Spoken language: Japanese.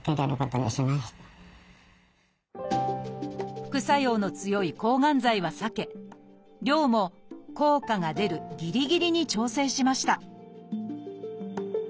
副作用の強い抗がん剤は避け量も効果が出るぎりぎりに調整しました